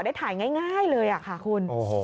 ได้ถ่ายง่ายเลยค่ะคุณ